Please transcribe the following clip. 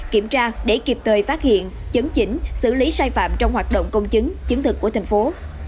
kiểm tra để kịp thời phát hiện chấn chỉnh xử lý sai phạm trong hoạt động công chứng chứng thực của thành phố